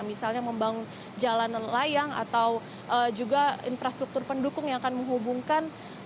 misalnya membangun jalanan layang atau juga infrastruktur pendukung yang akan menghubungkan